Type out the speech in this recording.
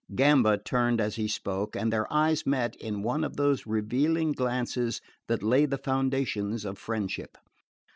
Gamba turned as he spoke, and their eyes met in one of those revealing glances that lay the foundations of friendship.